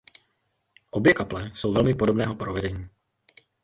Obě kaple jsou velmi podobného provedení.